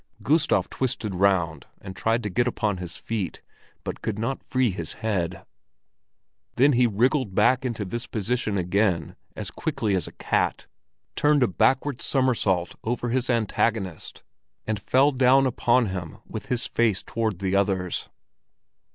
Gustav twisted round and tried to get upon his feet, but could not free his head. Then he wriggled back into this position again as quickly as a cat, turned a backward somersault over his antagonist, and fell down upon him with his face toward the other's.